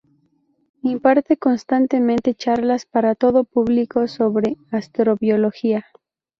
Imparte constantemente charlas para todo público sobre astrobiología.